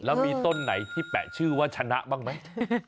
แล้วมีต้นไหนที่แปะชื่อว่าชนะบ้างไหม